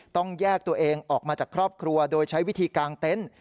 ต้องแยกตัวเองออกมาจากครอบครัวโดยใช้วิธีกางเต็นต์